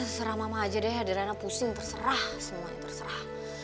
serah mama aja deh adriana pusing terserah semua terserah